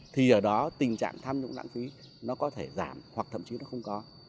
thì ở đó tình trạng tham nhũng lãng phí nó có thể giảm hoặc thậm chí nó không có